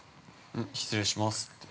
◆失礼しますって。